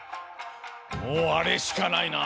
もうあれしかないな。